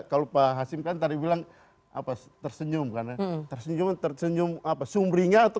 kalau pak hasim kan tadi bilang apa tersenyum karena tersenyum tersenyum apa sumringa atau